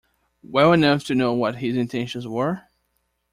Well enough to know what his intentions were?